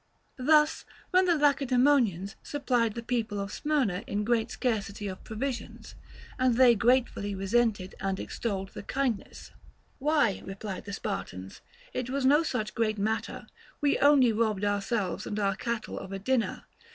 Thus, when the Lacedaemonians supplied the people of Smyrna in great scarcity of provisions, and they gratefully resented and extolled the kindness ; Why, replied the Spartans, it was no such great matter, we only robbed our selves and our cattle of a dinner.